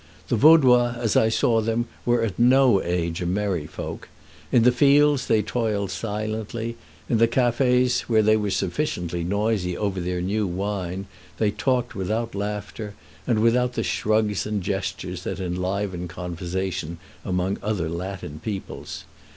The Vaudois as I saw them were at no age a merry folk. In the fields they toiled silently; in the cafés, where they were sufficiently noisy over their new wine, they talked without laughter, and without the shrugs and gestures that enliven conversation among other Latin peoples.